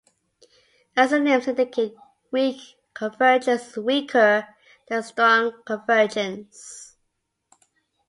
As the names indicate, weak convergence is weaker than strong convergence.